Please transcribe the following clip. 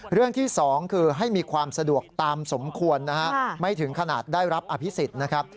เรื่องที่๒คือให้มีความสะดวกตามสมควรนะฮะไม่ถึงขนาดได้รับอภิษฎนะครับ